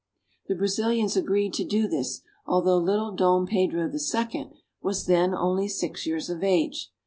The Brazilians agreed to do this, although little Dom Pedro II. was then only six years of age.